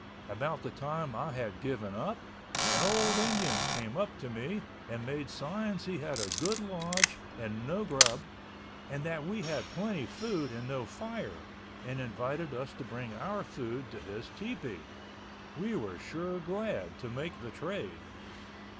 About the time I had given up, an old Indian came up to me and made signs he had a good lodge and no grub and that we had plenty food and no fire, and invited us to bring our food to his tepee. We were sure glad to make the trade.